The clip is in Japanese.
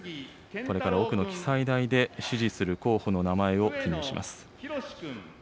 これから奥の記載台で、支持する候補の名前を記入します。